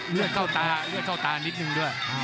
เลือดเข้าตาเลือดเข้าตานิดนึงด้วย